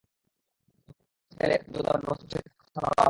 তখন তাঁদের বাঁচাতে এলে খাদ্যগুদামের ব্যবস্থাপক শেখ হোসেন সানোয়ারও আহত হন।